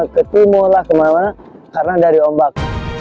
ketimulah kemana karena dari ombak